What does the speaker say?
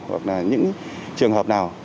hoặc là những trường hợp nào